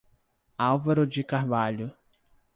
Álvaro de Carvalho